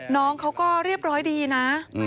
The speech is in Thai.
น้องเขาก็เรียบร้อยดีนะ